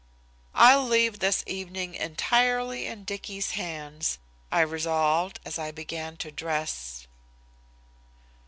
"I'll leave this evening entirely in Dicky's hands," I resolved as I began to dress.